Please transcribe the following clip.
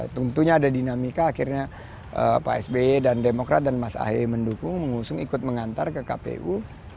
tentunya ada dinamika akhirnya pak sby dan demokrat dan mas ahy mendukung mengusung ikut mengantar ke kpu